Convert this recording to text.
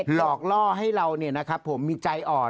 หลอกล่อให้เรานะครับผมมีใจอ่อน